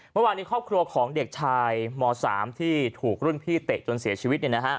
เมื่อวานนี้ครอบครัวของเด็กชายม๓ที่ถูกรุ่นพี่เตะจนเสียชีวิต